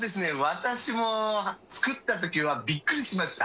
私も作ったときはびっくりしました。